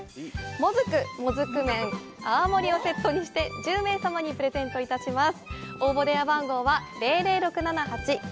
もずく・もずくめん・泡盛を１０名様にプレゼントいたします。